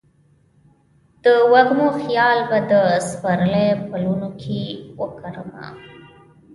د وږمو خیال به د سپرلي پلونو کې وکرمه